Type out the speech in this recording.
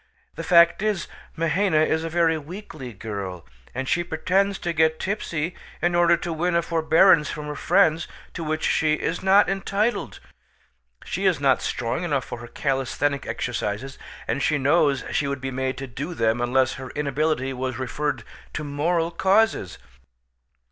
The fact is, Mahaina is a very weakly girl, and she pretends to get tipsy in order to win a forbearance from her friends to which she is not entitled. She is not strong enough for her calisthenic exercises, and she knows she would be made to do them unless her inability was referred to moral causes."